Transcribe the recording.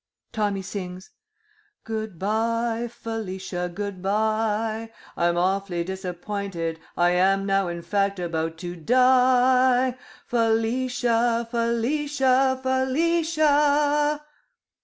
Tommy sings: Good bye, Felicia, good bye, I'm awfully disappointed, I Am now, in fact, about to die, Felicia, Felicia, Felicia!